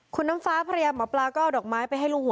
คุณน้ำฟ้าภรรยาหมอปลาก็เอาดอกไม้ไปให้ลูกหัว